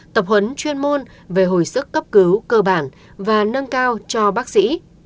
tập huấn chuyên môn về hồi sức cấp cứu cơ bản và nâng cao cho bác sĩ